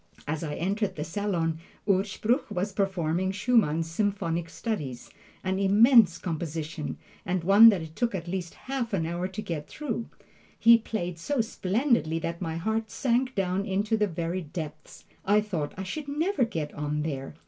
As I entered the salon, Urspruch was performing Schumann's "Symphonic Studies" an immense composition, and one that it took at least half an hour to get through. He played so splendidly that my heart sank down into the very depths. I thought I should never get on there!